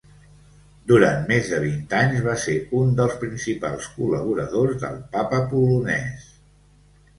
Durant més de vint anys va ser un dels principals col·laboradors del Papa polonès.